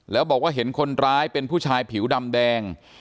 แล้วบอกว่าเห็นคนร้ายเป็นผู้ชายผิวดำแดง